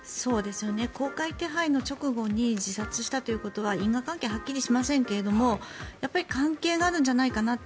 公開手配の直後に自殺したということは因果関係がはっきりしないですがやっぱり関係があるんじゃないかなと